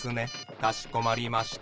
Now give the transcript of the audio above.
かしこまりました。